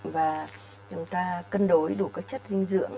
và chúng ta cân đối đủ các chất dinh dưỡng